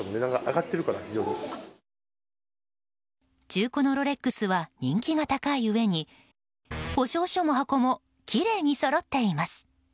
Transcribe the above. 中古のロレックスは人気が高いうえに保証書も箱もきれいにそろっています。